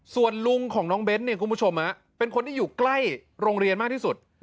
ส่วนลุงของน้องเบ้นเนี่ยคุณผู้ชมเป็นคนที่อยู่ใกล้โรงเรียนมากที่สุด